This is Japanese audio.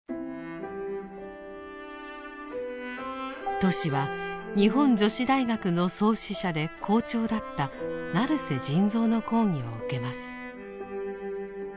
トシは日本女子大学の創始者で校長だった成瀬仁蔵の講義を受けます。